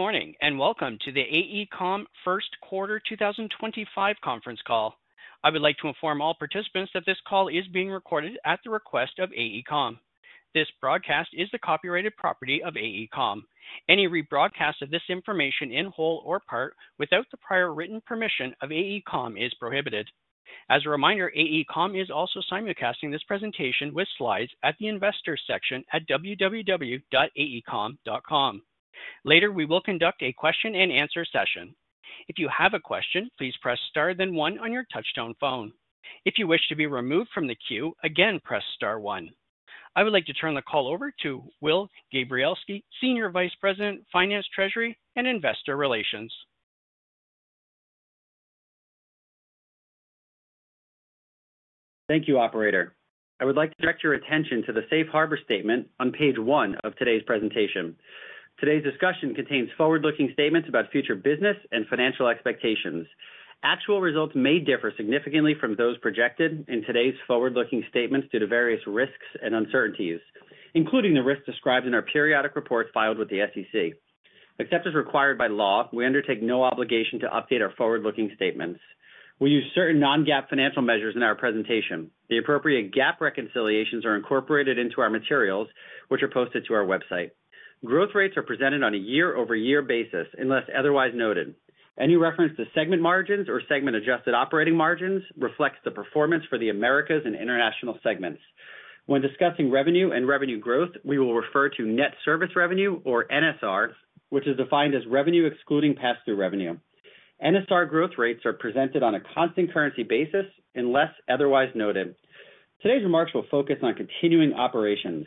Good morning and welcome to the AECOM First Quarter 2025 conference call. I would like to inform all participants that this call is being recorded at the request of AECOM. This broadcast is the copyrighted property of AECOM. Any rebroadcast of this information in whole or part without the prior written permission of AECOM is prohibited. As a reminder, AECOM is also simulcasting this presentation with slides at the investors' section at www.aecom.com. Later, we will conduct a question-and-answer session. If you have a question, please press star then one on your touch-tone phone. If you wish to be removed from the queue, again press star one. I would like to turn the call over to Will Gabrielski, Senior Vice President, Finance, Treasury and Investor Relations. Thank you, Operator. I would like to direct your attention to the safe harbor statement on page one of today's presentation. Today's discussion contains forward-looking statements about future business and financial expectations. Actual results may differ significantly from those projected in today's forward-looking statements due to various risks and uncertainties, including the risks described in our periodic reports filed with the SEC. Except as required by law, we undertake no obligation to update our forward-looking statements. We use certain non-GAAP financial measures in our presentation. The appropriate GAAP reconciliations are incorporated into our materials, which are posted to our website. Growth rates are presented on a year-over-year basis unless otherwise noted. Any reference to segment margins or segment-adjusted operating margins reflects the performance for the Americas and International segments. When discussing revenue and revenue growth, we will refer to net service revenue, or NSR, which is defined as revenue excluding pass-through revenue. NSR growth rates are presented on a constant currency basis unless otherwise noted. Today's remarks will focus on continuing operations.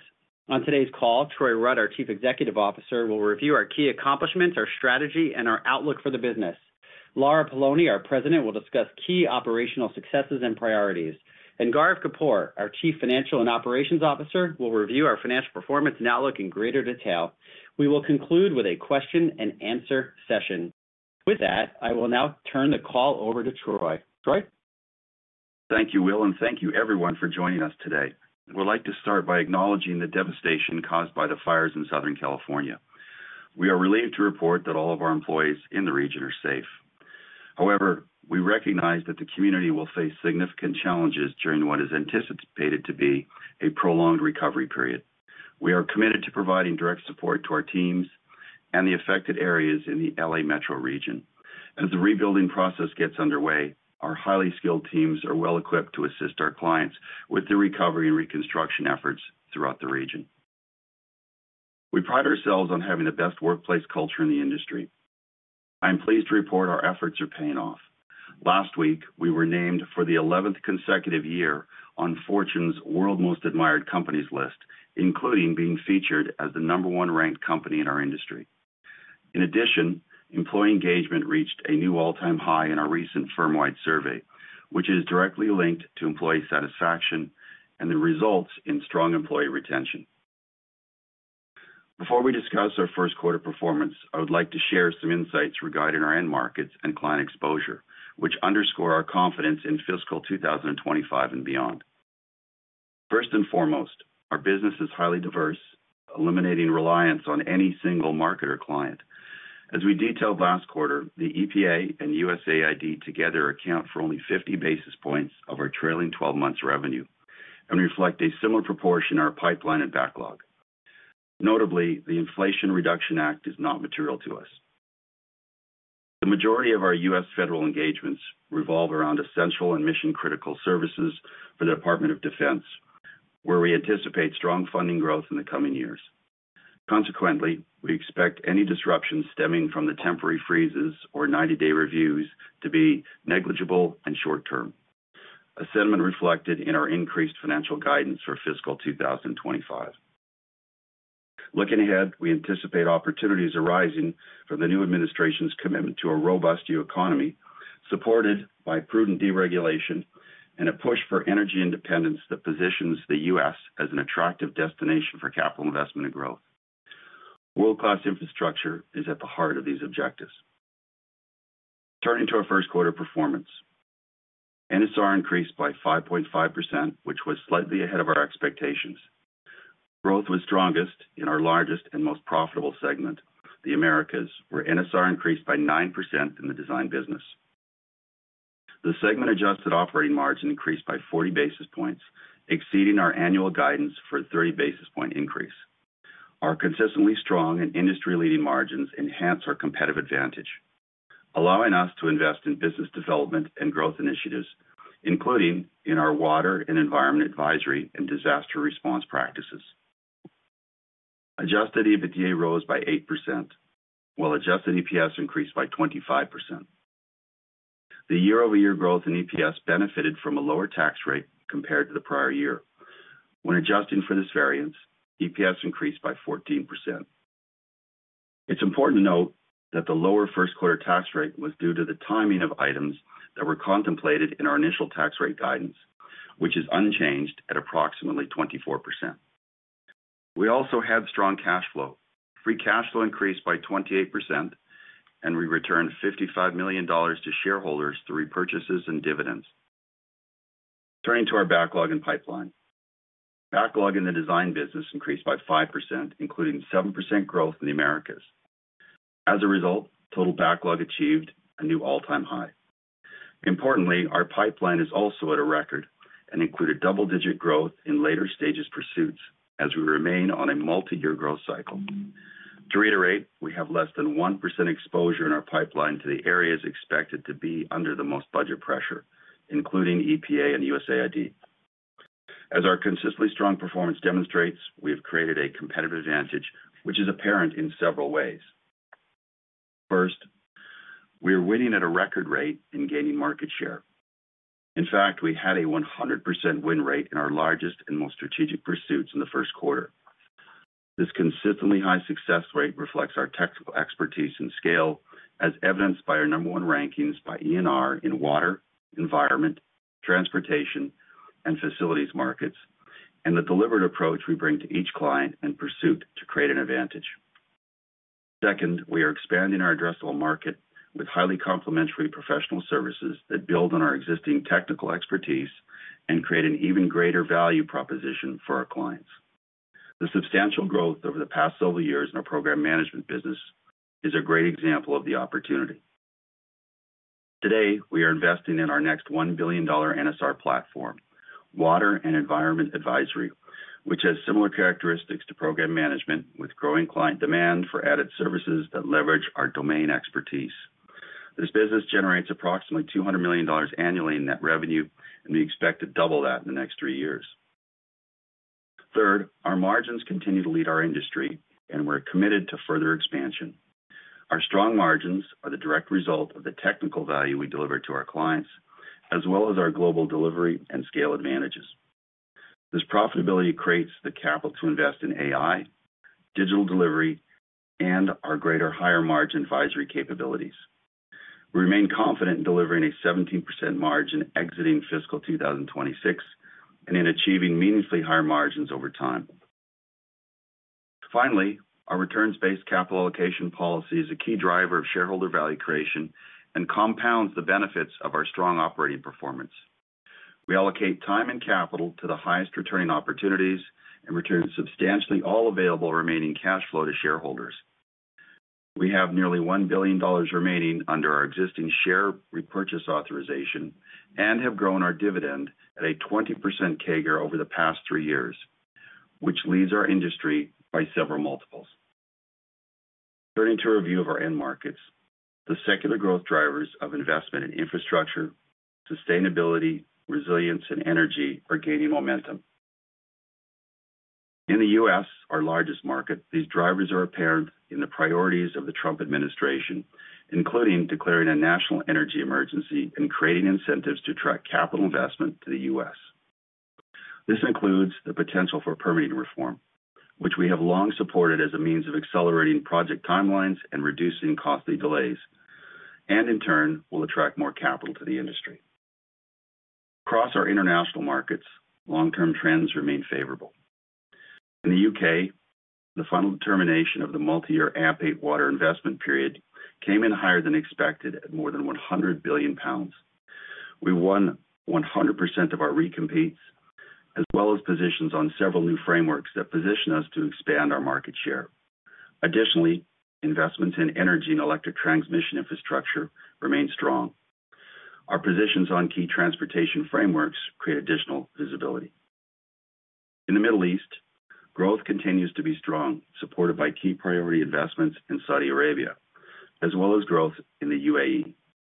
On today's call, Troy Rudd, our Chief Executive Officer, will review our key accomplishments, our strategy, and our outlook for the business. Lara Poloni, our President, will discuss key operational successes and priorities. And Gaurav Kapoor, our Chief Financial and Operations Officer, will review our financial performance and outlook in greater detail. We will conclude with a question-and-answer session. With that, I will now turn the call over to Troy. Troy? Thank you, Will, and thank you, everyone, for joining us today. I would like to start by acknowledging the devastation caused by the fires in Southern California. We are relieved to report that all of our employees in the region are safe. However, we recognize that the community will face significant challenges during what is anticipated to be a prolonged recovery period. We are committed to providing direct support to our teams and the affected areas in the LA Metro region. As the rebuilding process gets underway, our highly skilled teams are well-equipped to assist our clients with the recovery and reconstruction efforts throughout the region. We pride ourselves on having the best workplace culture in the industry. I am pleased to report our efforts are paying off. Last week, we were named for the 11th consecutive year on Fortune's World's Most Admired Companies list, including being featured as the number one ranked company in our industry. In addition, employee engagement reached a new all-time high in our recent firm-wide survey, which is directly linked to employee satisfaction and the results in strong employee retention. Before we discuss our first quarter performance, I would like to share some insights regarding our end markets and client exposure, which underscore our confidence in fiscal 2025 and beyond. First and foremost, our business is highly diverse, eliminating reliance on any single market or client. As we detailed last quarter, the EPA and USAID together account for only 50 basis points of our trailing 12 months' revenue and reflect a similar proportion in our pipeline and backlog. Notably, the Inflation Reduction Act is not material to us. The majority of our U.S. Federal engagements revolve around essential and mission-critical services for the Department of Defense, where we anticipate strong funding growth in the coming years. Consequently, we expect any disruptions stemming from the temporary freezes or 90-day reviews to be negligible and short-term, a sentiment reflected in our increased financial guidance for fiscal 2025. Looking ahead, we anticipate opportunities arising from the new administration's commitment to a robust U.S. economy, supported by prudent deregulation and a push for energy independence that positions the U.S. as an attractive destination for capital investment and growth. World-class infrastructure is at the heart of these objectives. Turning to our first quarter performance, NSR increased by 5.5%, which was slightly ahead of our expectations. Growth was strongest in our largest and most profitable segment, the Americas, where NSR increased by 9% in the design business. The Segment-Adjusted Operating Margin increased by 40 basis points, exceeding our annual guidance for a 30-basis-point increase. Our consistently strong and industry-leading margins enhance our competitive advantage, allowing us to invest in business development and growth initiatives, including in our water and environment advisory and disaster response practices. Adjusted EBITDA rose by 8%, while Adjusted EPS increased by 25%. The year-over-year growth in EPS benefited from a lower tax rate compared to the prior year. When adjusting for this variance, EPS increased by 14%. It's important to note that the lower first-quarter tax rate was due to the timing of items that were contemplated in our initial tax rate guidance, which is unchanged at approximately 24%. We also had strong cash flow. Free Cash Flow increased by 28%, and we returned $55 million to shareholders through repurchases and dividends. Turning to our backlog and pipeline, backlog in the design business increased by 5%, including 7% growth in the Americas. As a result, total backlog achieved a new all-time high. Importantly, our pipeline is also at a record and included double-digit growth in later stages pursuits as we remain on a multi-year growth cycle. To reiterate, we have less than 1% exposure in our pipeline to the areas expected to be under the most budget pressure, including EPA and USAID. As our consistently strong performance demonstrates, we have created a competitive advantage, which is apparent in several ways. First, we are winning at a record rate in gaining market share. In fact, we had a 100% win rate in our largest and most strategic pursuits in the first quarter. This consistently high success rate reflects our technical expertise and scale, as evidenced by our number one rankings by ENR in water, environment, transportation, and facilities markets, and the deliberate approach we bring to each client and pursuit to create an advantage. Second, we are expanding our addressable market with highly complementary professional services that build on our existing technical expertise and create an even greater value proposition for our clients. The substantial growth over the past several years in our program management business is a great example of the opportunity. Today, we are investing in our next $1 billion NSR platform, water and environment advisory, which has similar characteristics to program management with growing client demand for added services that leverage our domain expertise. This business generates approximately $200 million annually in net revenue, and we expect to double that in the next three years. Third, our margins continue to lead our industry, and we're committed to further expansion. Our strong margins are the direct result of the technical value we deliver to our clients, as well as our global delivery and scale advantages. This profitability creates the capital to invest in AI, digital delivery, and our greater higher-margin advisory capabilities. We remain confident in delivering a 17% margin exiting fiscal 2026 and in achieving meaningfully higher margins over time. Finally, our returns-based capital allocation policy is a key driver of shareholder value creation and compounds the benefits of our strong operating performance. We allocate time and capital to the highest returning opportunities and return substantially all available remaining cash flow to shareholders. We have nearly $1 billion remaining under our existing share repurchase authorization and have grown our dividend at a 20% CAGR over the past three years, which leads our industry by several multiples. Turning to a review of our end markets, the secular growth drivers of investment in infrastructure, sustainability, resilience, and energy are gaining momentum. In the U.S., our largest market, these drivers are apparent in the priorities of the Trump administration, including declaring a national energy emergency and creating incentives to attract capital investment to the U.S. This includes the potential for permitting reform, which we have long supported as a means of accelerating project timelines and reducing costly delays, and in turn, will attract more capital to the industry. Across our international markets, long-term trends remain favorable. In the U.K., the final determination of the multi-year AMP8 water investment period came in higher than expected at more than 100 billion pounds. We won 100% of our recompetes, as well as positions on several new frameworks that position us to expand our market share. Additionally, investments in energy and electric transmission infrastructure remain strong. Our positions on key transportation frameworks create additional visibility. In the Middle East, growth continues to be strong, supported by key priority investments in Saudi Arabia, as well as growth in the UAE.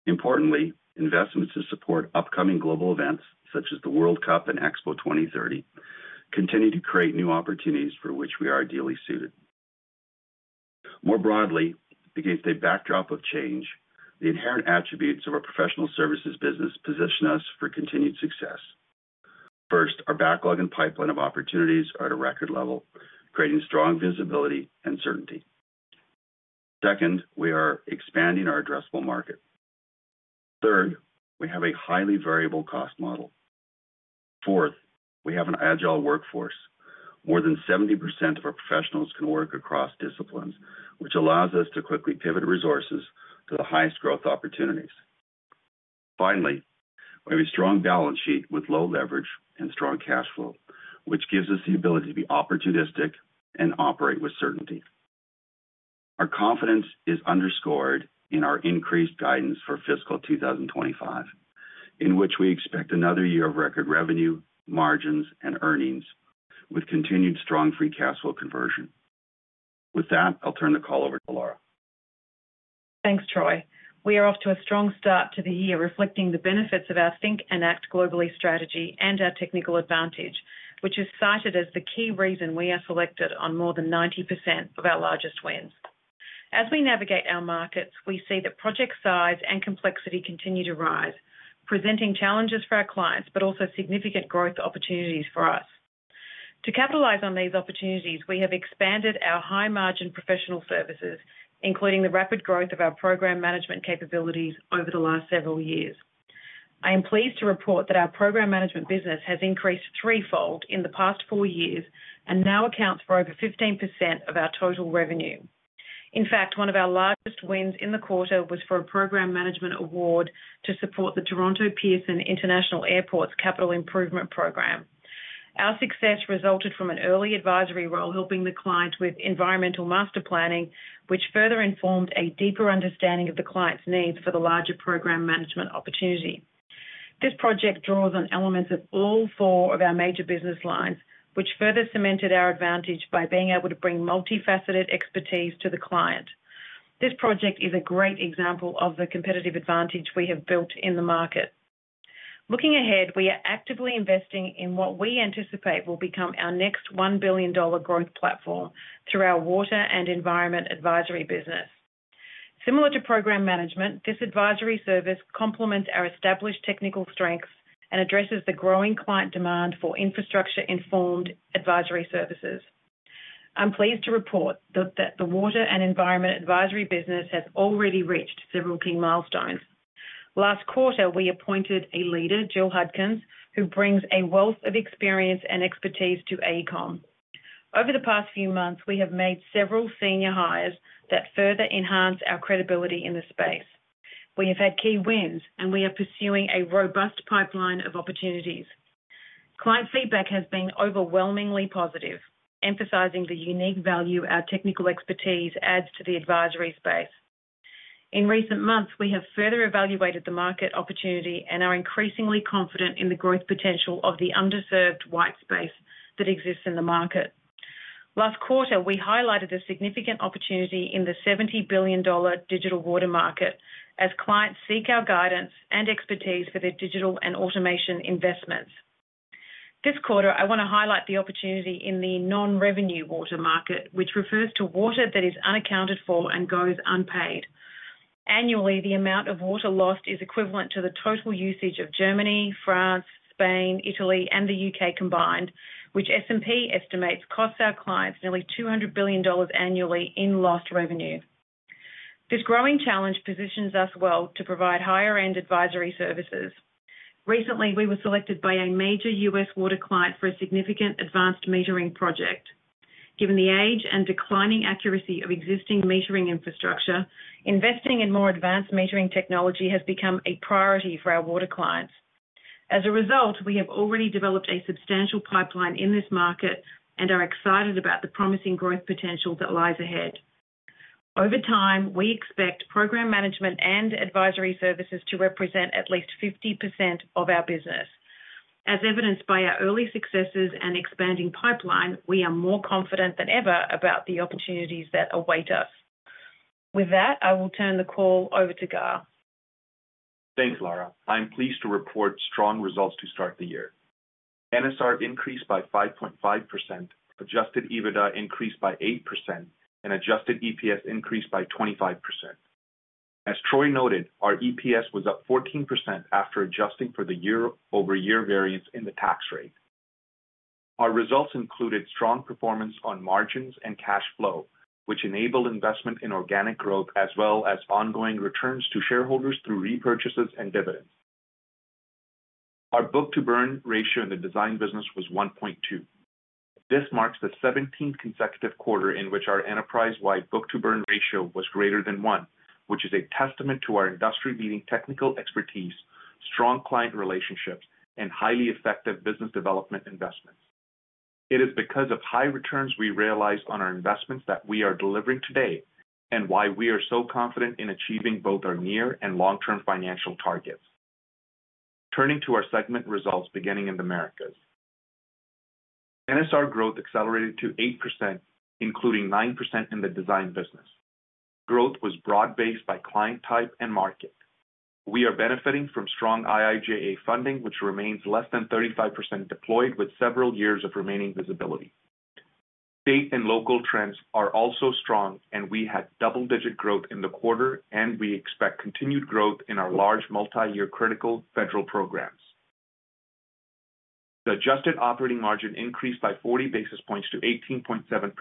Importantly, investments to support upcoming global events such as the World Cup and Expo 2030 continue to create new opportunities for which we are ideally suited. More broadly, against a backdrop of change, the inherent attributes of our professional services business position us for continued success. First, our backlog and pipeline of opportunities are at a record level, creating strong visibility and certainty. Second, we are expanding our addressable market. Third, we have a highly variable cost model. Fourth, we have an agile workforce. More than 70% of our professionals can work across disciplines, which allows us to quickly pivot resources to the highest growth opportunities. Finally, we have a strong balance sheet with low leverage and strong cash flow, which gives us the ability to be opportunistic and operate with certainty. Our confidence is underscored in our increased guidance for fiscal 2025, in which we expect another year of record revenue, margins, and earnings with continued strong free cash flow conversion. With that, I'll turn the call over to Lara. Thanks, Troy. We are off to a strong start to the year, reflecting the benefits of our Think & Act globally strategy and our technical advantage, which is cited as the key reason we are selected on more than 90% of our largest wins. As we navigate our markets, we see that project size and complexity continue to rise, presenting challenges for our clients, but also significant growth opportunities for us. To capitalize on these opportunities, we have expanded our high-margin professional services, including the rapid growth of our program management capabilities over the last several years. I am pleased to report that our program management business has increased threefold in the past four years and now accounts for over 15% of our total revenue. In fact, one of our largest wins in the quarter was for a Program Management award to support the Toronto Pearson International Airport's Capital Improvement Program. Our success resulted from an early advisory role helping the client with environmental master planning, which further informed a deeper understanding of the client's needs for the larger Program Management opportunity. This project draws on elements of all four of our major business lines, which further cemented our advantage by being able to bring multifaceted expertise to the client. This project is a great example of the competitive advantage we have built in the market. Looking ahead, we are actively investing in what we anticipate will become our next $1 billion growth platform through our Water and Environment Advisory business. Similar to Program Management, this advisory service complements our established technical strengths and addresses the growing client demand for infrastructure-informed advisory services. I'm pleased to report that the water and environment advisory business has already reached several key milestones. Last quarter, we appointed a leader, Jill Hudkins, who brings a wealth of experience and expertise to AECOM. Over the past few months, we have made several senior hires that further enhance our credibility in the space. We have had key wins, and we are pursuing a robust pipeline of opportunities. Client feedback has been overwhelmingly positive, emphasizing the unique value our technical expertise adds to the advisory space. In recent months, we have further evaluated the market opportunity and are increasingly confident in the growth potential of the underserved white space that exists in the market. Last quarter, we highlighted a significant opportunity in the $70 billion digital water market as clients seek our guidance and expertise for their digital and automation investments. This quarter, I want to highlight the opportunity in the non-revenue water market, which refers to water that is unaccounted for and goes unpaid. Annually, the amount of water lost is equivalent to the total usage of Germany, France, Spain, Italy, and the UK combined, which S&P estimates costs our clients nearly $200 billion annually in lost revenue. This growing challenge positions us well to provide higher-end advisory services. Recently, we were selected by a major U.S. water client for a significant advanced metering project. Given the age and declining accuracy of existing metering infrastructure, investing in more advanced metering technology has become a priority for our water clients. As a result, we have already developed a substantial pipeline in this market and are excited about the promising growth potential that lies ahead. Over time, we expect program management and advisory services to represent at least 50% of our business. As evidenced by our early successes and expanding pipeline, we are more confident than ever about the opportunities that await us. With that, I will turn the call over to Gaur. Thanks, Lara. I'm pleased to report strong results to start the year. NSR increased by 5.5%, adjusted EBITDA increased by 8%, and adjusted EPS increased by 25%. As Troy noted, our EPS was up 14% after adjusting for the year-over-year variance in the tax rate. Our results included strong performance on margins and cash flow, which enabled investment in organic growth as well as ongoing returns to shareholders through repurchases and dividends. Our Book-to-Burn Ratio in the design business was 1.2. This marks the 17th consecutive quarter in which our enterprise-wide Book-to-Burn Ratio was greater than one, which is a testament to our industry-leading technical expertise, strong client relationships, and highly effective business development investments. It is because of high returns we realize on our investments that we are delivering today and why we are so confident in achieving both our near and long-term financial targets. Turning to our segment results beginning in the Americas. NSR growth accelerated to 8%, including 9% in the design business. Growth was broad-based by client type and market. We are benefiting from strong IIJA funding, which remains less than 35% deployed with several years of remaining visibility. State and local trends are also strong, and we had double-digit growth in the quarter, and we expect continued growth in our large multi-year critical federal programs. The adjusted operating margin increased by 40 basis points to 18.7%,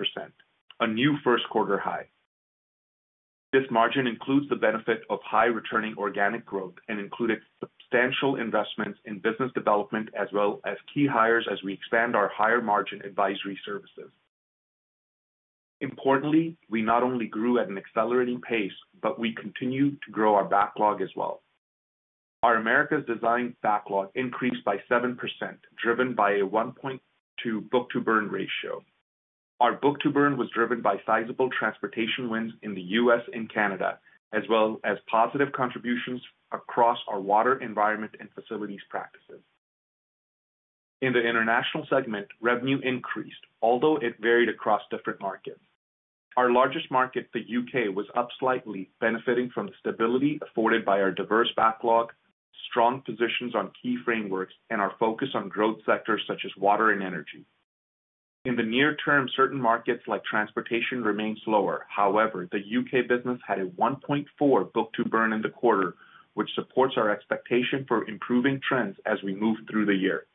a new first quarter high. This margin includes the benefit of high-returning organic growth and included substantial investments in business development as well as key hires as we expand our higher-margin advisory services. Importantly, we not only grew at an accelerating pace, but we continue to grow our backlog as well. Our Americas' design backlog increased by 7%, driven by a 1.2 book-to-burn ratio. Our book-to-burn was driven by sizable transportation wins in the U.S. and Canada, as well as positive contributions across our water, environment, and facilities practices. In the international segment, revenue increased, although it varied across different markets. Our largest market, the U.K., was up slightly, benefiting from the stability afforded by our diverse backlog, strong positions on key frameworks, and our focus on growth sectors such as water and energy. In the near term, certain markets like transportation remained slower. However, the U.K. business had a 1.4 book-to-burn in the quarter, which supports our expectation for improving trends as we move through the year.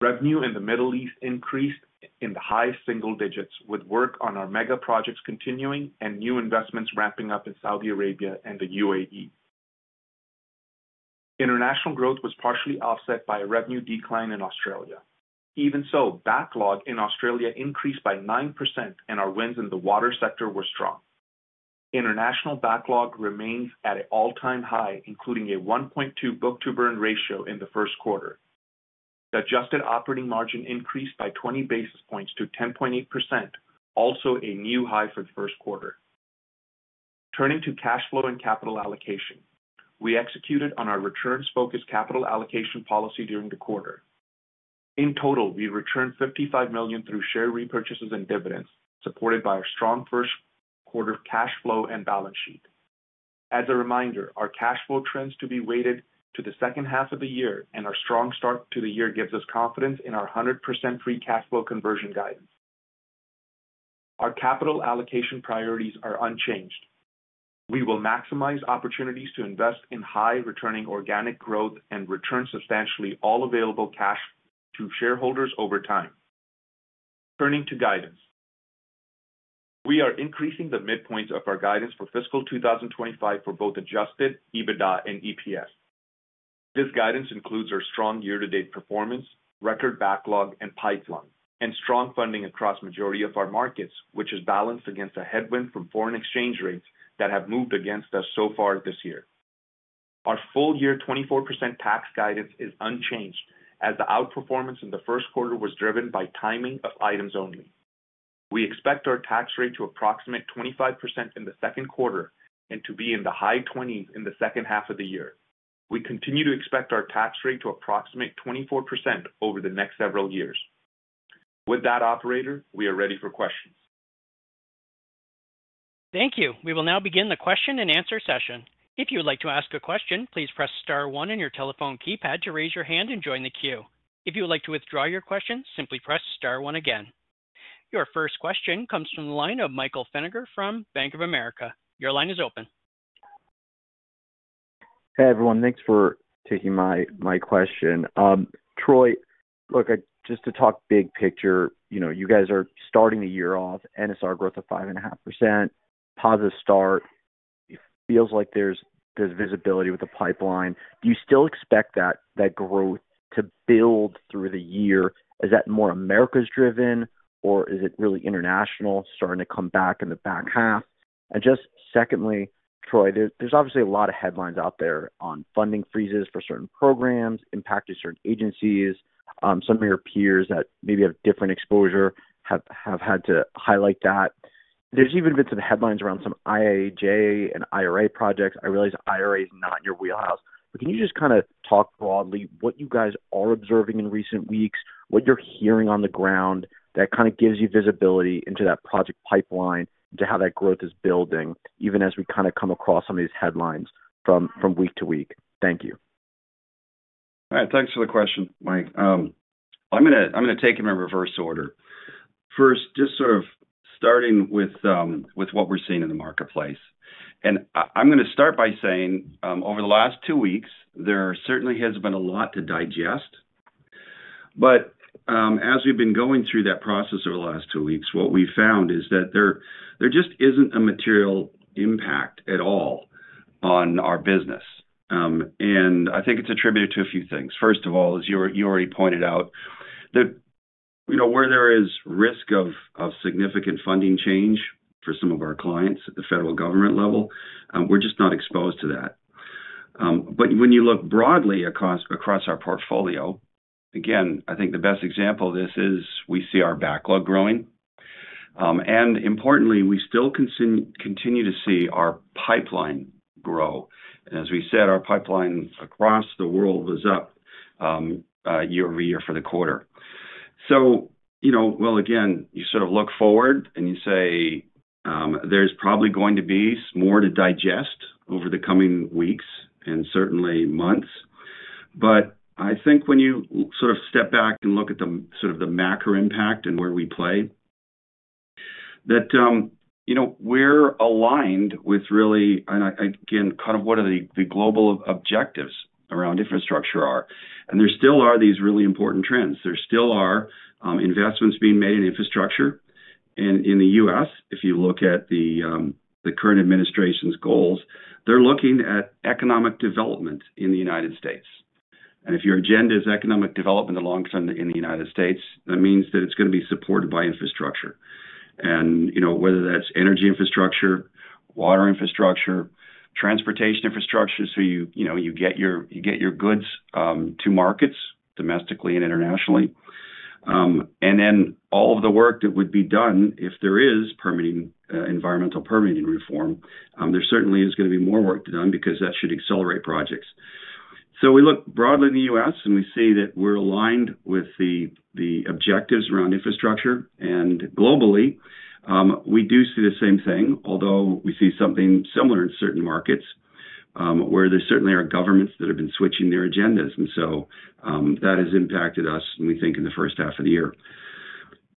Revenue in the Middle East increased in the high single digits, with work on our mega projects continuing and new investments ramping up in Saudi Arabia and the UAE. International growth was partially offset by a revenue decline in Australia. Even so, backlog in Australia increased by 9%, and our wins in the water sector were strong. International backlog remains at an all-time high, including a 1.2 Book-to-Burn Ratio in the first quarter. The adjusted operating margin increased by 20 basis points to 10.8%, also a new high for the first quarter. Turning to cash flow and capital allocation, we executed on our returns-focused capital allocation policy during the quarter. In total, we returned $55 million through share repurchases and dividends, supported by our strong first quarter cash flow and balance sheet. As a reminder, our cash flow trends to be weighted to the second half of the year, and our strong start to the year gives us confidence in our 100% free cash flow conversion guidance. Our capital allocation priorities are unchanged. We will maximize opportunities to invest in high-returning organic growth and return substantially all available cash to shareholders over time. Turning to guidance, we are increasing the midpoint of our guidance for fiscal 2025 for both Adjusted EBITDA and EPS. This guidance includes our strong year-to-date performance, record backlog, and pipeline, and strong funding across the majority of our markets, which is balanced against a headwind from foreign exchange rates that have moved against us so far this year. Our full-year 24% tax guidance is unchanged, as the outperformance in the first quarter was driven by timing of items only. We expect our tax rate to approximate 25% in the second quarter and to be in the high 20s in the second half of the year. We continue to expect our tax rate to approximate 24% over the next several years. With that, Operator, we are ready for questions. Thank you. We will now begin the question and answer session. If you would like to ask a question, please press star one in your telephone keypad to raise your hand and join the queue. If you would like to withdraw your question, simply press star one again. Your first question comes from the line of Michael Feniger from Bank of America. Your line is open. Hey, everyone. Thanks for taking my question. Troy, look, just to talk big picture, you guys are starting the year off, NSR growth of 5.5%, positive start. It feels like there's visibility with the pipeline. Do you still expect that growth to build through the year? Is that more Americas driven, or is it really international starting to come back in the back half? And just secondly, Troy, there's obviously a lot of headlines out there on funding freezes for certain programs, impacting certain agencies. Some of your peers that maybe have different exposure have had to highlight that. There's even been some headlines around some IIJA and IRA projects. I realize IRA is not in your wheelhouse, but can you just kind of talk broadly what you guys are observing in recent weeks, what you're hearing on the ground that kind of gives you visibility into that project pipeline, into how that growth is building, even as we kind of come across some of these headlines from week to week? Thank you. All right. Thanks for the question, Mike. I'm going to take them in reverse order. First, just sort of starting with what we're seeing in the marketplace, and I'm going to start by saying over the last two weeks, there certainly has been a lot to digest, but as we've been going through that process over the last two weeks, what we found is that there just isn't a material impact at all on our business, and I think it's attributed to a few things. First of all, as you already pointed out, where there is risk of significant funding change for some of our clients at the federal government level, we're just not exposed to that, but when you look broadly across our portfolio, again, I think the best example of this is we see our backlog growing, and importantly, we still continue to see our pipeline grow. And as we said, our pipeline across the world was up year over year for the quarter. So again, you sort of look forward and you say there's probably going to be more to digest over the coming weeks and certainly months. But I think when you sort of step back and look at sort of the macro impact and where we play, that we're aligned with really, and again, kind of what are the global objectives around infrastructure are. And there still are these really important trends. There still are investments being made in infrastructure. And in the U.S., if you look at the current administration's goals, they're looking at economic development in the United States. And if your agenda is economic development along in the United States, that means that it's going to be supported by infrastructure. And whether that's energy infrastructure, water infrastructure, transportation infrastructure, so you get your goods to markets domestically and internationally. And then all of the work that would be done, if there is environmental permitting reform, there certainly is going to be more work to be done because that should accelerate projects. So we look broadly in the U.S., and we see that we're aligned with the objectives around infrastructure. And globally, we do see the same thing, although we see something similar in certain markets where there certainly are governments that have been switching their agendas. And so that has impacted us, we think, in the first half of the year.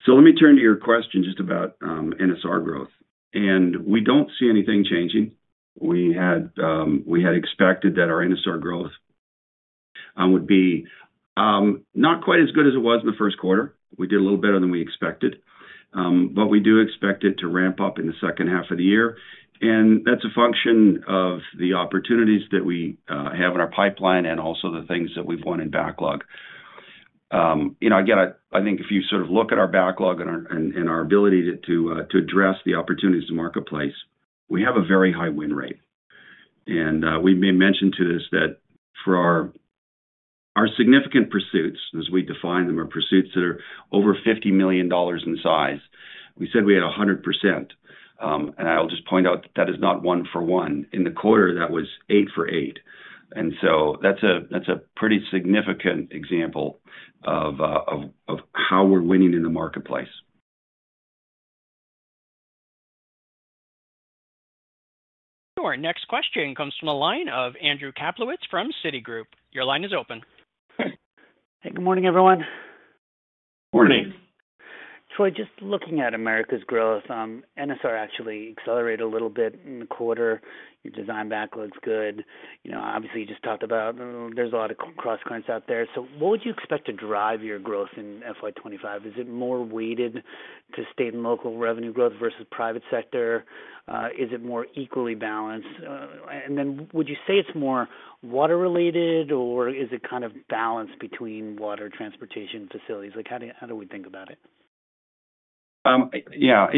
So let me turn to your question just about NSR growth. And we don't see anything changing. We had expected that our NSR growth would be not quite as good as it was in the first quarter. We did a little better than we expected, but we do expect it to ramp up in the second half of the year, and that's a function of the opportunities that we have in our pipeline and also the things that we've won in backlog. Again, I think if you sort of look at our backlog and our ability to address the opportunities in the marketplace, we have a very high win rate, and we've mentioned this, that for our significant pursuits, as we define them, are pursuits that are over $50 million in size, we said we had 100%, and I'll just point out that that is not one for one. In the quarter, that was eight for eight, and so that's a pretty significant example of how we're winning in the marketplace. Our next question comes from the line of Andrew Kaplowitz from Citigroup. Your line is open. Hey, good morning, everyone. Morning. Troy, just looking at Americas growth, NSR actually accelerated a little bit in the quarter. Your design backlog's good. Obviously, you just talked about there's a lot of cross-currents out there. So what would you expect to drive your growth in FY25? Is it more weighted to state and local revenue growth versus private sector? Is it more equally balanced? And then would you say it's more water-related, or is it kind of balanced between water transportation facilities? How do we think about it? Yeah.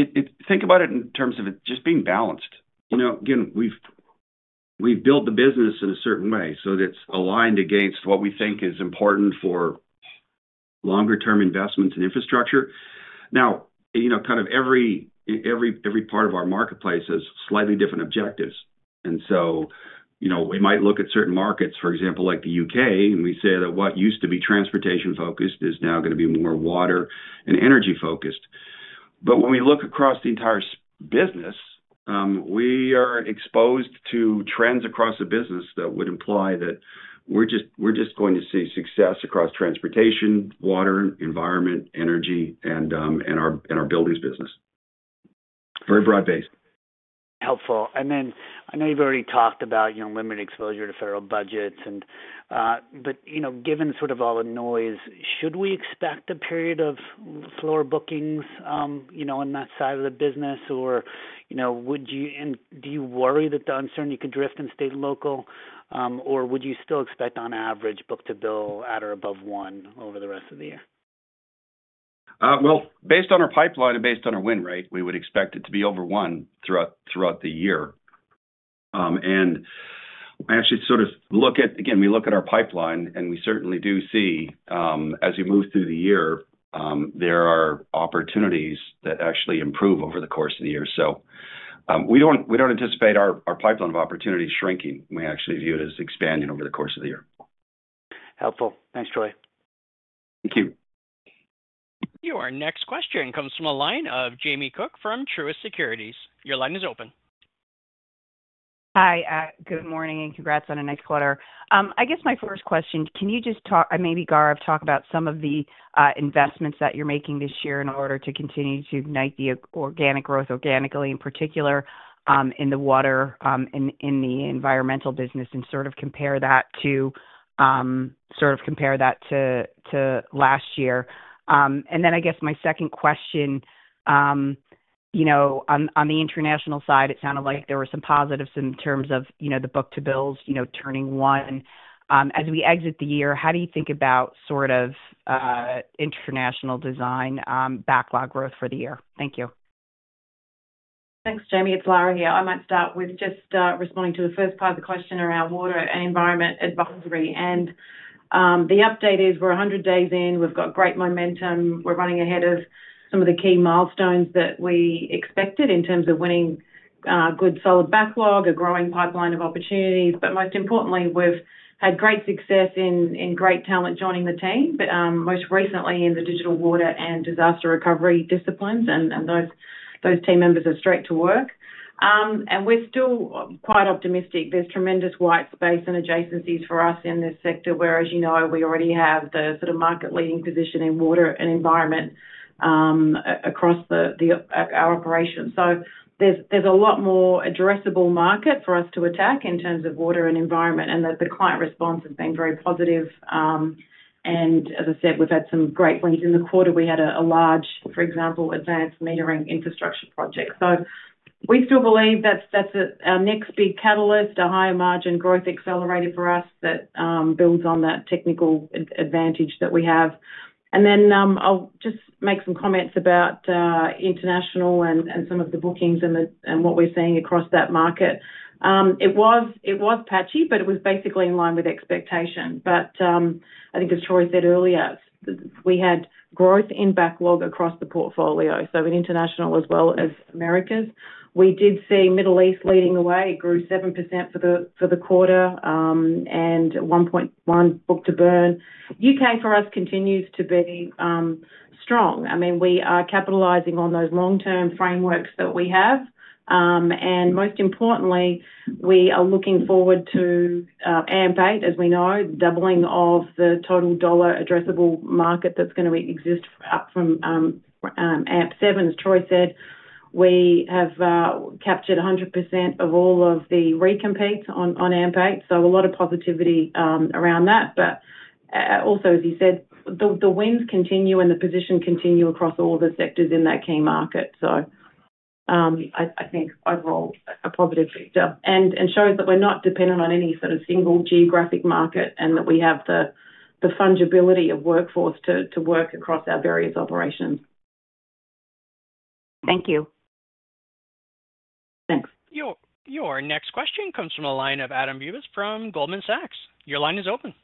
Think about it in terms of it just being balanced. Again, we've built the business in a certain way so that it's aligned against what we think is important for longer-term investments in infrastructure. Now, kind of every part of our marketplace has slightly different objectives. And so we might look at certain markets, for example, like the U.K., and we say that what used to be transportation-focused is now going to be more water and energy-focused. But when we look across the entire business, we are exposed to trends across the business that would imply that we're just going to see success across transportation, water, environment, energy, and our buildings business. Very broad-based. Helpful. And then I know you've already talked about limited exposure to federal budgets. But given sort of all the noise, should we expect a period of floor bookings on that side of the business? Or do you worry that the uncertainty could drift and stay local? Or would you still expect, on average, book-to-bill at or above one over the rest of the year? Based on our pipeline and based on our win rate, we would expect it to be over one throughout the year. Actually, we look at our pipeline, and we certainly do see, as we move through the year, there are opportunities that actually improve over the course of the year. We don't anticipate our pipeline of opportunities shrinking. We actually view it as expanding over the course of the year. Helpful. Thanks, Troy. Thank you. Your next question comes from a line of Jamie Cook from Truist Securities. Your line is open. Hi. Good morning and congrats on a nice quarter. I guess my first question, can you just talk and maybe, Gaurav, talk about some of the investments that you're making this year in order to continue to ignite the organic growth organically, in particular in the water and in the environmental business, and sort of compare that to last year? And then I guess my second question, on the international side, it sounded like there were some positives in terms of the book-to-bills turning one. As we exit the year, how do you think about sort of international design backlog growth for the year? Thank you. Thanks, Jamie. It's Lara here. I might start with just responding to the first part of the question around water and environment advisory, and the update is we're 100 days in. We've got great momentum. We're running ahead of some of the key milestones that we expected in terms of winning good solid backlog, a growing pipeline of opportunities, but most importantly, we've had great success in great talent joining the team, most recently in the digital water and disaster recovery disciplines. And those team members are straight to work, and we're still quite optimistic. There's tremendous white space and adjacencies for us in this sector where, as you know, we already have the sort of market-leading position in water and environment across our operations, so there's a lot more addressable market for us to attack in terms of water and environment, and the client response has been very positive. As I said, we've had some great wins in the quarter. We had a large, for example, advanced metering infrastructure project. We still believe that's our next big catalyst, a higher margin growth accelerator for us that builds on that technical advantage that we have. I'll just make some comments about international and some of the bookings and what we're seeing across that market. It was patchy, but it was basically in line with expectation. I think, as Troy said earlier, we had growth in backlog across the portfolio, so in international as well as Americas. We did see Middle East leading the way. It grew 7% for the quarter and 1.1 book-to-burn. U.K. for us continues to be strong. I mean, we are capitalizing on those long-term frameworks that we have. Most importantly, we are looking forward to AMP8, as we know, doubling of the total dollar addressable market that's going to exist up from AMP7, as Troy said. We have captured 100% of all of the recompetes on AMP8. So a lot of positivity around that. But also, as you said, the wins continue and the position continue across all the sectors in that key market. So I think overall, a positive factor and shows that we're not dependent on any sort of single geographic market and that we have the fungibility of workforce to work across our various operations. Thank you. Thanks. Your next question comes from a line of Adam Bubes from Goldman Sachs. Your line is open.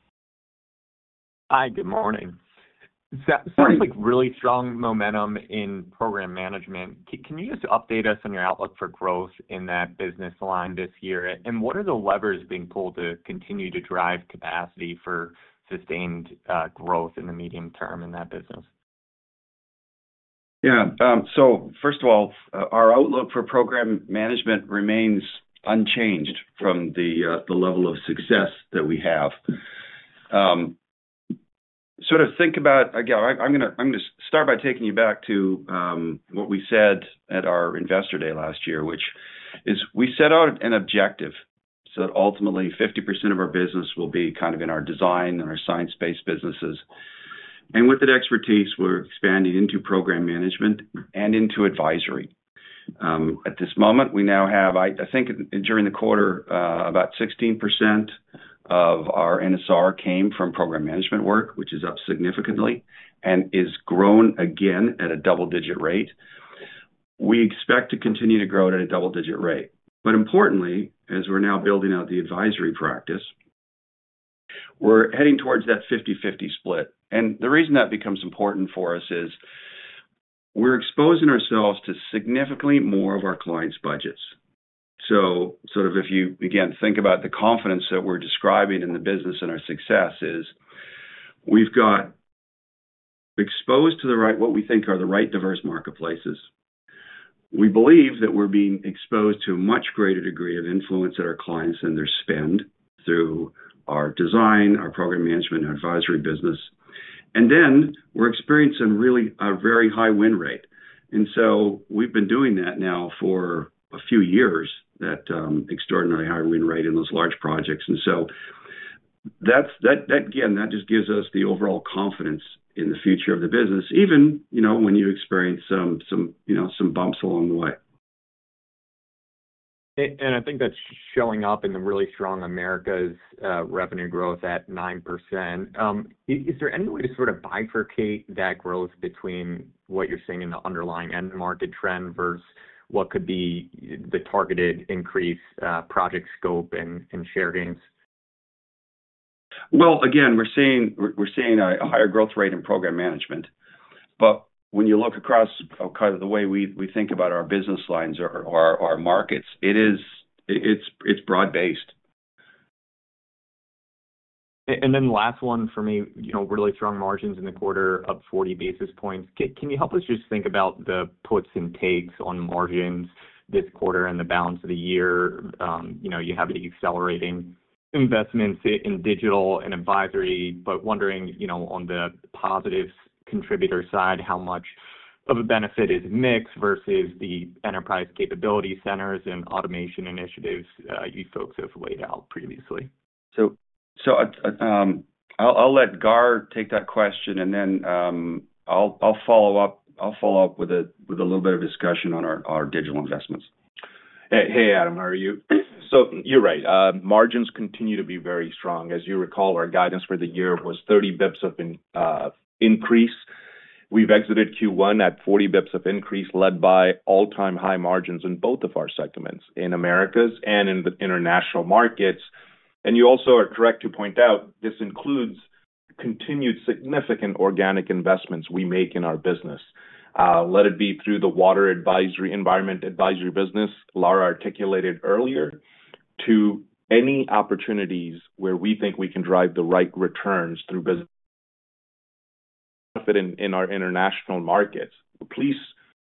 Hi. Good morning. Sorry. Really strong momentum in program management. Can you just update us on your outlook for growth in that business line this year? And what are the levers being pulled to continue to drive capacity for sustained growth in the medium term in that business? Yeah. So first of all, our outlook for program management remains unchanged from the level of success that we have. Sort of think about again, I'm going to start by taking you back to what we said at our investor day last year, which is we set out an objective so that ultimately 50% of our business will be kind of in our design and our science-based businesses. And with that expertise, we're expanding into program management and into advisory. At this moment, we now have, I think, during the quarter, about 16% of our NSR came from program management work, which is up significantly and is grown again at a double-digit rate. We expect to continue to grow at a double-digit rate. But importantly, as we're now building out the advisory practice, we're heading towards that 50/50 split. And the reason that becomes important for us is we're exposing ourselves to significantly more of our clients' budgets. So sort of if you, again, think about the confidence that we're describing in the business and our success is we've got exposed to what we think are the right diverse marketplaces. We believe that we're being exposed to a much greater degree of influence at our clients than their spend through our design, our program management, and advisory business. And then we're experiencing really a very high win rate. And so we've been doing that now for a few years, that extraordinary high win rate in those large projects. And so again, that just gives us the overall confidence in the future of the business, even when you experience some bumps along the way. I think that's showing up in the really strong Americas revenue growth at 9%. Is there any way to sort of bifurcate that growth between what you're seeing in the underlying end market trend versus what could be the targeted increase project scope and share gains? Again, we're seeing a higher growth rate in program management. When you look across kind of the way we think about our business lines or our markets, it's broad-based. Then last one for me, really strong margins in the quarter, up 40 basis points. Can you help us just think about the puts and takes on margins this quarter and the balance of the year? You have the accelerating investments in digital and advisory, but wondering on the positives contributor side, how much of a benefit is mixed versus the enterprise capability centers and automation initiatives you folks have laid out previously? So I'll let Gaurav take that question, and then I'll follow up with a little bit of discussion on our digital investments. Hey, Adam, how are you? So you're right. Margins continue to be very strong. As you recall, our guidance for the year was 30 basis points of increase. We've exited Q1 at 40 basis points of increase, led by all-time high margins in both of our segments in Americas and in the international markets. And you also are correct to point out this includes continued significant organic investments we make in our business, let it be through the water advisory environment advisory business, Lara articulated earlier, to any opportunities where we think we can drive the right returns through business benefit in our international markets.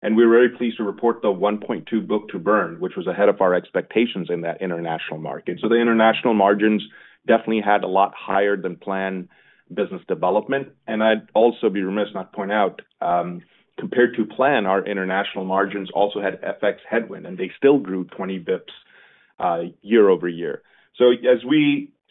And we're very pleased to report the 1.2 book-to-burn, which was ahead of our expectations in that international market. So the international margins definitely had a lot higher than planned business development. And I'd also be remiss not to point out, compared to plan, our international margins also had FX headwind, and they still grew 20 basis points year over year. So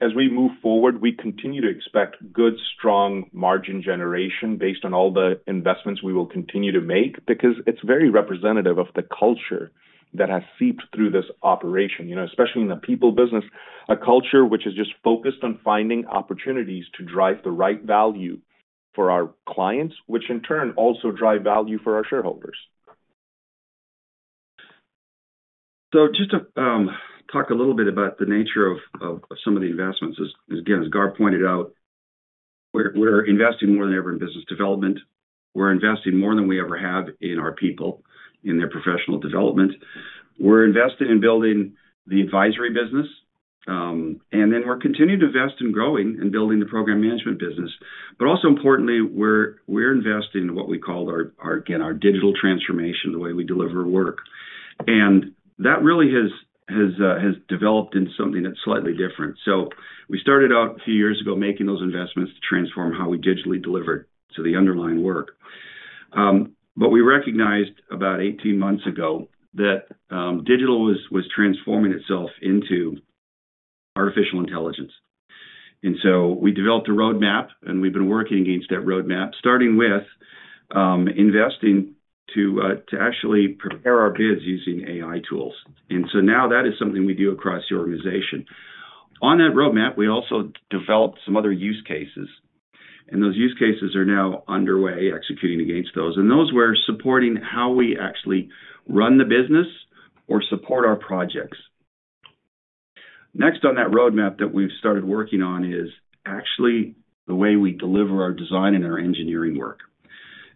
as we move forward, we continue to expect good, strong margin generation based on all the investments we will continue to make because it's very representative of the culture that has seeped through this operation, especially in the people business, a culture which is just focused on finding opportunities to drive the right value for our clients, which in turn also drive value for our shareholders. So just to talk a little bit about the nature of some of the investments. Again, as Gaurav pointed out, we're investing more than ever in business development. We're investing more than we ever have in our people, in their professional development. We're investing in building the advisory business. And then we're continuing to invest in growing and building the program management business. But also importantly, we're investing in what we call, again, our digital transformation, the way we deliver work. And that really has developed into something that's slightly different. So we started out a few years ago making those investments to transform how we digitally deliver to the underlying work. But we recognized about 18 months ago that digital was transforming itself into artificial intelligence. And so we developed a roadmap, and we've been working against that roadmap, starting with investing to actually prepare our bids using AI tools. And so now that is something we do across the organization. On that roadmap, we also developed some other use cases. And those use cases are now underway, executing against those. And those were supporting how we actually run the business or support our projects. Next on that roadmap that we've started working on is actually the way we deliver our design and our engineering work.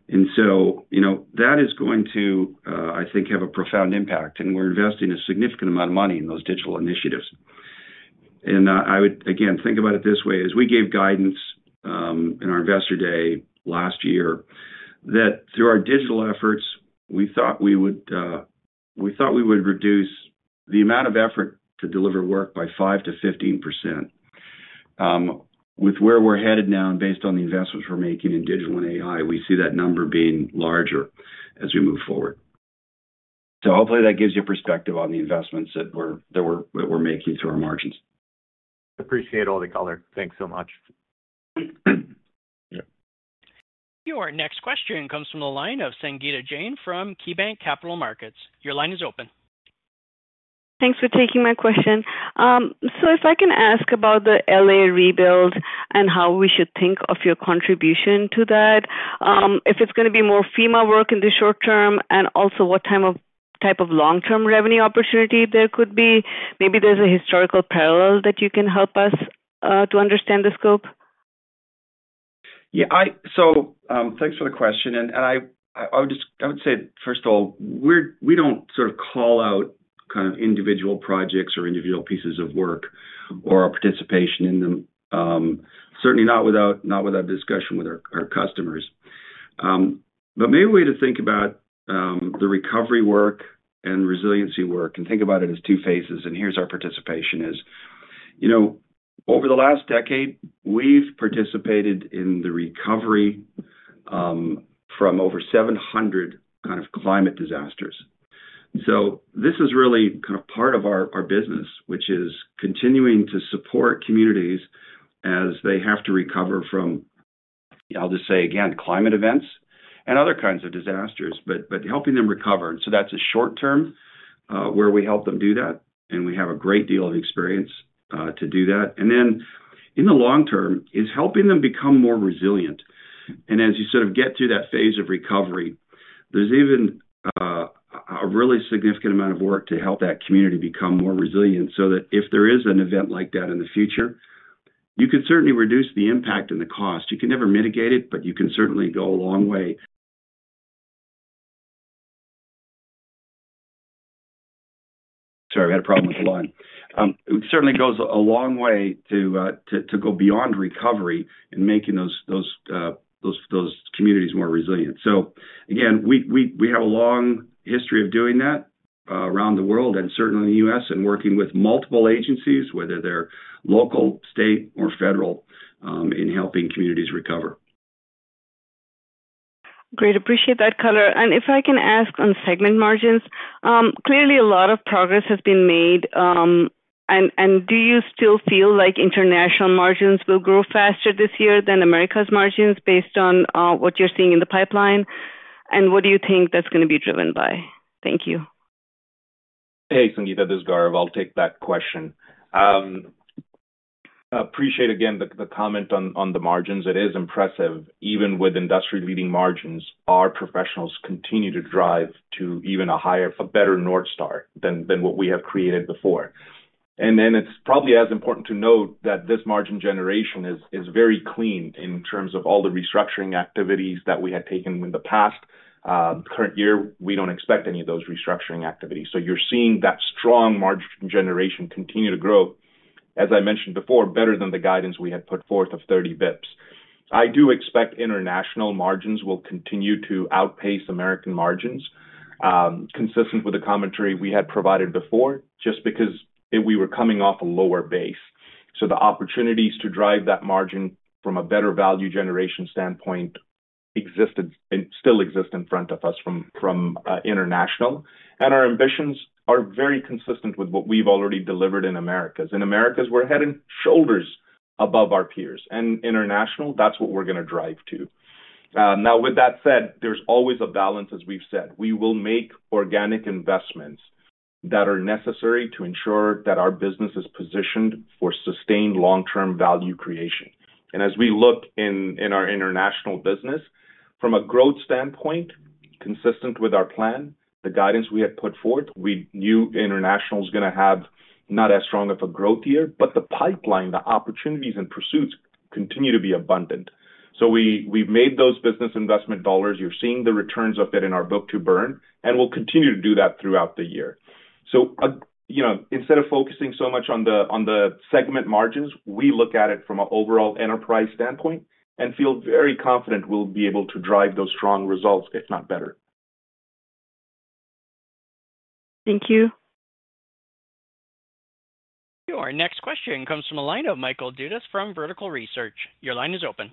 And so that is going to, I think, have a profound impact. And we're investing a significant amount of money in those digital initiatives. And I would, again, think about it this way. As we gave guidance in our investor day last year, that through our digital efforts, we thought we would reduce the amount of effort to deliver work by 5% to 15%. With where we're headed now and based on the investments we're making in digital and AI, we see that number being larger as we move forward. So hopefully that gives you a perspective on the investments that we're making through our margins. Appreciate all the color. Thanks so much. Your next question comes from the line of Sangita Jain from KeyBanc Capital Markets. Your line is open. Thanks for taking my question. So if I can ask about the LA rebuild and how we should think of your contribution to that, if it's going to be more FEMA work in the short term and also what type of long-term revenue opportunity there could be, maybe there's a historical parallel that you can help us to understand the scope? Yeah. So thanks for the question. And I would say, first of all, we don't sort of call out kind of individual projects or individual pieces of work or our participation in them, certainly not without discussion with our customers. But maybe a way to think about the recovery work and resiliency work and think about it as two phases. And here's our participation is over the last decade, we've participated in the recovery from over 700 kind of climate disasters. So this is really kind of part of our business, which is continuing to support communities as they have to recover from, I'll just say again, climate events and other kinds of disasters, but helping them recover. And so that's a short term where we help them do that. And we have a great deal of experience to do that. And then in the long term is helping them become more resilient. And as you sort of get through that phase of recovery, there's even a really significant amount of work to help that community become more resilient so that if there is an event like that in the future, you can certainly reduce the impact and the cost. You can never mitigate it, but you can certainly go a long way. Sorry, we had a problem with the line. It certainly goes a long way to go beyond recovery and making those communities more resilient. So again, we have a long history of doing that around the world and certainly in the U.S. and working with multiple agencies, whether they're local, state, or federal, in helping communities recover. Great. Appreciate that, Gaurav. And if I can ask on segment margins, clearly a lot of progress has been made. And do you still feel like international margins will grow faster this year than Americas' margins based on what you're seeing in the pipeline? And what do you think that's going to be driven by? Thank you. Hey, Sangeeta, this is Gaurav. I'll take that question. Appreciate again the comment on the margins. It is impressive. Even with industry-leading margins, our professionals continue to drive to even a better North Star than what we have created before. And then it's probably as important to note that this margin generation is very clean in terms of all the restructuring activities that we had taken in the past. Current year, we don't expect any of those restructuring activities. So you're seeing that strong margin generation continue to grow, as I mentioned before, better than the guidance we had put forth of 30 basis points. I do expect international margins will continue to outpace Americas margins, consistent with the commentary we had provided before, just because we were coming off a lower base. So the opportunities to drive that margin from a better value generation standpoint still exist in front of us from international, and our ambitions are very consistent with what we've already delivered in America. In America, we're head and shoulders above our peers, and in international, that's what we're going to drive to. Now, with that said, there's always a balance, as we've said. We will make organic investments that are necessary to ensure that our business is positioned for sustained long-term value creation, and as we look in our international business, from a growth standpoint, consistent with our plan, the guidance we had put forth, we knew international is going to have not as strong of a growth year, but the pipeline, the opportunities and pursuits continue to be abundant, so we've made those business investment dollars. You're seeing the returns of it in our book-to-burn, and we'll continue to do that throughout the year, so instead of focusing so much on the segment margins, we look at it from an overall enterprise standpoint and feel very confident we'll be able to drive those strong results, if not better. Thank you. Your next question comes from Michael Dudas from Vertical Research. Your line is open.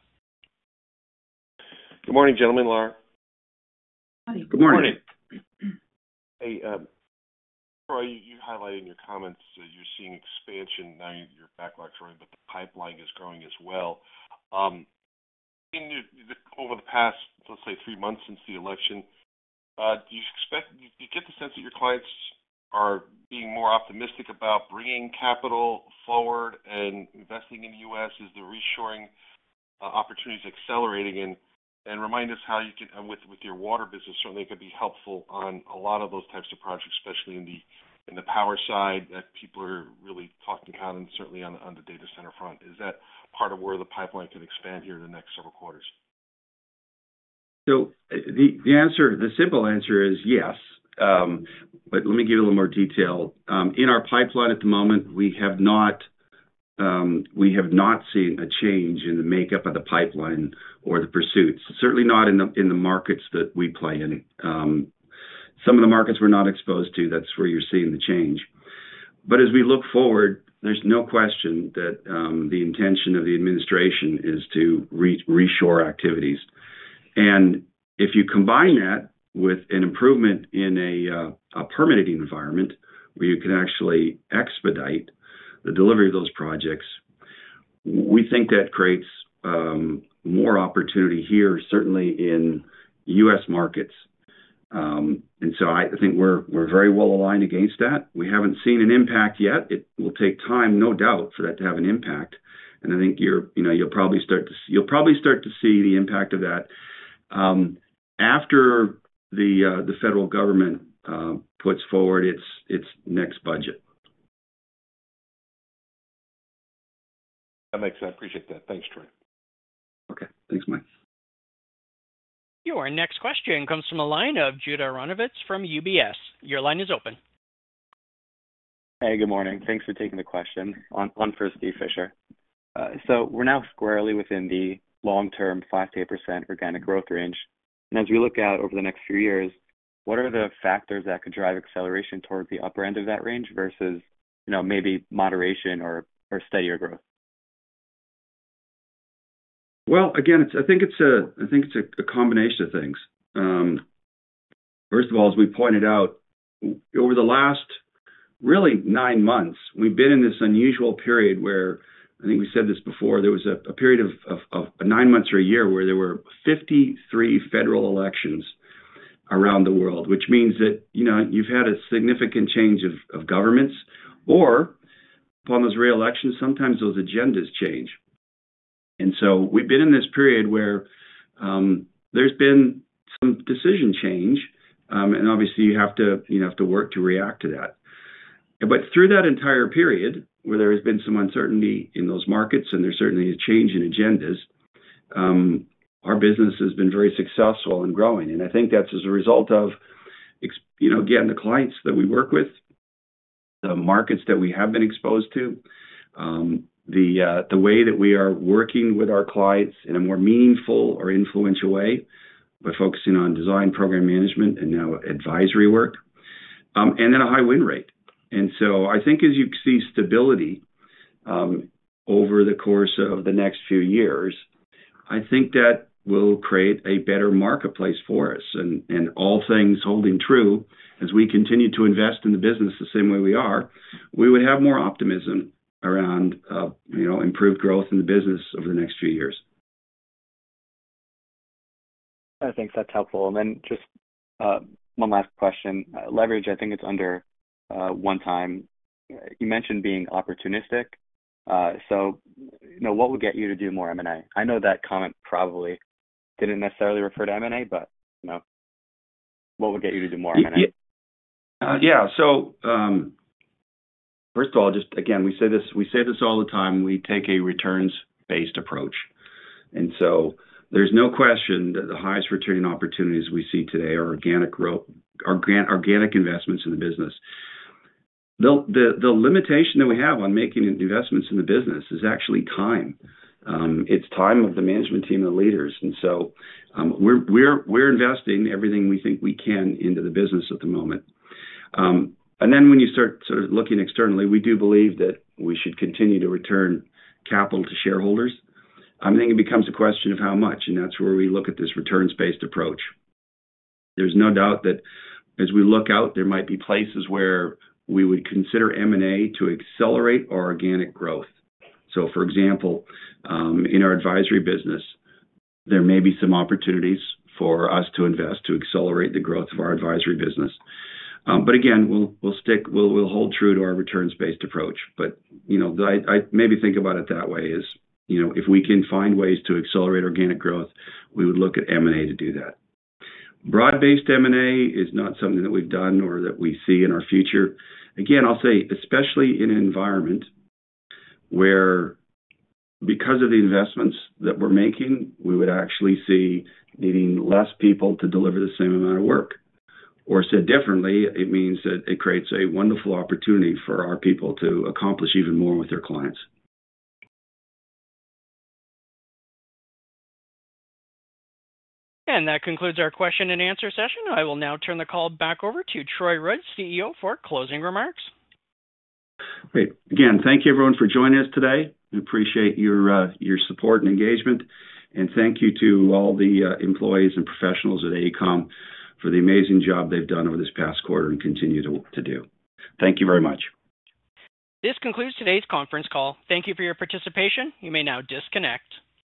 Good morning, gentlemen, Lara. Good morning. Hey, before you highlighted in your comments that you're seeing expansion, now your backlog's growing, but the pipeline is growing as well. Over the past, let's say, three months since the election, do you get the sense that your clients are being more optimistic about bringing capital forward and investing in the U.S.? Is the reshoring opportunities accelerating? And remind us how you can with your water business, certainly it could be helpful on a lot of those types of projects, especially in the power side that people are really talking about and certainly on the data center front. Is that part of where the pipeline could expand here in the next several quarters? So the simple answer is yes. But let me give you a little more detail. In our pipeline at the moment, we have not seen a change in the makeup of the pipeline or the pursuits, certainly not in the markets that we play in. Some of the markets we're not exposed to, that's where you're seeing the change. But as we look forward, there's no question that the intention of the administration is to reshore activities. And if you combine that with an improvement in a permitting environment where you can actually expedite the delivery of those projects, we think that creates more opportunity here, certainly in U.S. markets. And so I think we're very well aligned against that. We haven't seen an impact yet. It will take time, no doubt, for that to have an impact. And I think you'll probably start to see the impact of that after the federal government puts forward its next budget. That makes sense. I appreciate that. Thanks, Troy. Okay. Thanks, Mike. Your next question comes from Elina Judit Aronovits from UBS. Your line is open. Hey, good morning. Thanks for taking the question. I'm Steven Fisher. So we're now squarely within the long-term 5%-8% organic growth range. And as we look out over the next few years, what are the factors that could drive acceleration towards the upper end of that range versus maybe moderation or steadier growth? Again, I think it's a combination of things. First of all, as we pointed out, over the last really nine months, we've been in this unusual period where I think we said this before, there was a period of nine months or a year where there were 53 federal elections around the world, which means that you've had a significant change of governments, or upon those reelections, sometimes those agendas change, and so we've been in this period where there's been some decision change, and obviously, you have to work to react to that, but through that entire period, where there has been some uncertainty in those markets and there's certainly a change in agendas, our business has been very successful and growing. And I think that's as a result of, again, the clients that we work with, the markets that we have been exposed to, the way that we are working with our clients in a more meaningful or influential way by focusing on design program management and now advisory work, and then a high win rate. And so I think as you see stability over the course of the next few years, I think that will create a better marketplace for us. And all things holding true, as we continue to invest in the business the same way we are, we would have more optimism around improved growth in the business over the next few years. I think that's helpful. And then just one last question. Leverage, I think it's under one time. You mentioned being opportunistic. So what would get you to do more M&A? I know that comment probably didn't necessarily refer to M&A, but what would get you to do more M&A? Yeah. So first of all, just again, we say this all the time. We take a returns-based approach. And so there's no question that the highest returning opportunities we see today are organic investments in the business. The limitation that we have on making investments in the business is actually time. It's time of the management team and the leaders. And so we're investing everything we think we can into the business at the moment. And then when you start sort of looking externally, we do believe that we should continue to return capital to shareholders. I think it becomes a question of how much. And that's where we look at this returns-based approach. There's no doubt that as we look out, there might be places where we would consider M&A to accelerate our organic growth. So for example, in our advisory business, there may be some opportunities for us to invest to accelerate the growth of our advisory business. But again, we'll hold true to our returns-based approach. But I maybe think about it that way is if we can find ways to accelerate organic growth, we would look at M&A to do that. Broad-based M&A is not something that we've done or that we see in our future. Again, I'll say, especially in an environment where, because of the investments that we're making, we would actually see needing less people to deliver the same amount of work. Or said differently, it means that it creates a wonderful opportunity for our people to accomplish even more with their clients. That concludes our question and answer session. I will now turn the call back over to Troy Rudd, CEO, for closing remarks. Great. Again, thank you, everyone, for joining us today. We appreciate your support and engagement. And thank you to all the employees and professionals at AECOM for the amazing job they've done over this past quarter and continue to do. Thank you very much. This concludes today's conference call. Thank you for your participation. You may now disconnect.